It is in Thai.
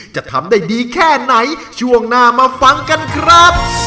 จะทำได้ดีแค่ไหนช่วงหน้ามาฟังกันครับ